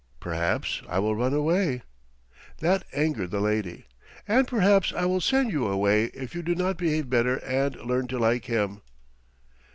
"Perhaps I will run away." That angered the lady. "And perhaps I will send you away if you do not behave better and learn to like him."